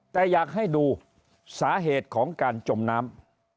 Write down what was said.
แต่อยากให้ดูสาเหตุของการจมน้ำ